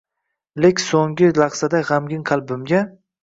Lek sungi lahzada gamgin qalbimga